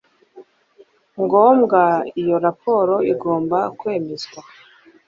ngombwa Iyo raporo igomba kwemezwa